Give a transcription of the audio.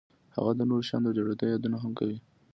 هغه د نورو شیانو د جوړېدو یادونه هم کوي